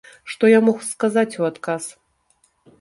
Што я мог сказаць у адказ?